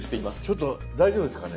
ちょっと大丈夫ですかね。